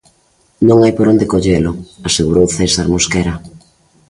Non hai por onde collelo, asegurou César Mosquera.